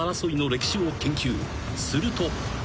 ［すると］